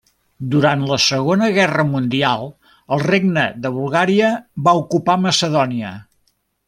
Durant la Segona Guerra Mundial el regne de Bulgària va ocupar Macedònia.